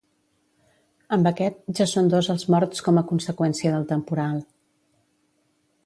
Amb aquest, ja són dos els morts com a conseqüència del temporal.